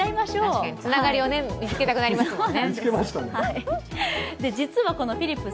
確かにつながりを見つけたくなりますもんね。